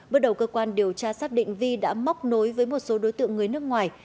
bước đầu cơ quan điều tra xác định vi đã móc nối với một số đối tượng người nước ngoài